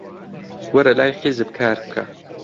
وەرە لای حیزب کار بکە.